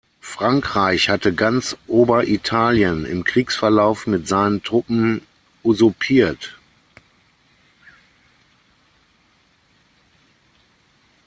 Frankreich hatte ganz Oberitalien im Kriegsverlauf mit seinen Truppen usurpiert.